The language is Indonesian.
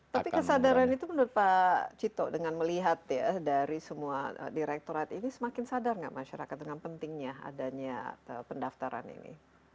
tapi kesadaran itu menurut pak cito dengan melihat ya dari semua direkturat ini semakin sadar nggak masyarakat dengan pentingnya adanya pendaftaran ini